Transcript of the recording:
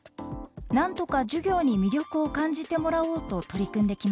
なんとか授業に魅力を感じてもらおうと取り組んできました。